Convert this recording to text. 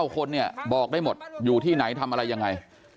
คนเนี่ยบอกได้หมดอยู่ที่ไหนทำอะไรยังไง